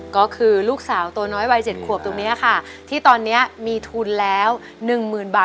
ก็คือลูกสาวตัวน้อยวัย๗ขวบตรงนี้ค่ะที่ตอนนี้มีทุนแล้ว๑หมื่นบาท